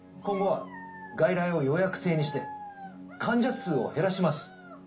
今後は外来を予約制にして患者数を減らします。